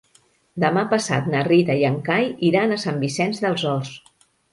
Demà passat na Rita i en Cai iran a Sant Vicenç dels Horts.